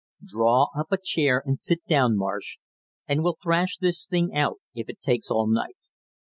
"Draw up a chair and sit down, Marsh, and we'll thrash this thing out if it takes all night.